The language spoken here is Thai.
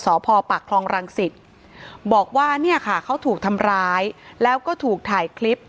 สพปากคลองรังสิตบอกว่าเนี่ยค่ะเขาถูกทำร้ายแล้วก็ถูกถ่ายคลิป